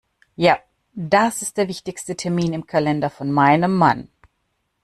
Ja, das ist der wichtigste Termin im Kalender von meinem Mann.